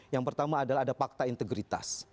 yang pertama adalah ada fakta integritas